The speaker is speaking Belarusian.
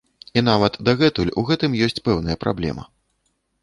І нават дагэтуль у гэтым ёсць пэўная праблема.